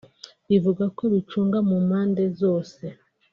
bivuze ko zicunga mu mpande zose